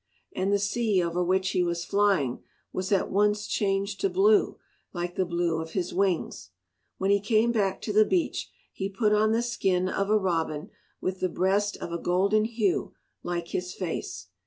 And the sea over which he was flying was at once changed to blue like the blue of his wings. When he came back to the beach, he put on the skin of a robin with the breast of a golden hue like his face.